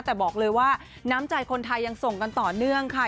แต่บอกเลยว่าน้ำใจคนไทยยังส่งกันต่อเนื่องค่ะ